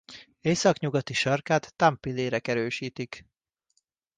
Északnyugati sarkát támpillérek erősítik.